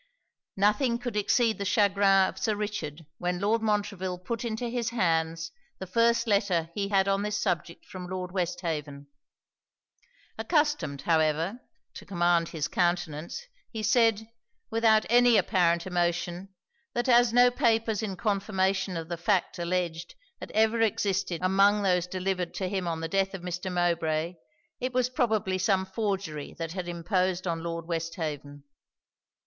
Nothing could exceed the chagrin of Sir Richard when Lord Montreville put into his hands the first letter he had on this subject from Lord Westhaven. Accustomed, however, to command his countenance, he said, without any apparent emotion, that as no papers in confirmation of the fact alledged had ever existed among those delivered to him on the death of Mr. Mowbray, it was probably some forgery that had imposed on Lord Westhaven.